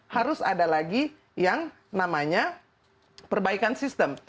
harus ada lagi yang namanya perbaikan sistem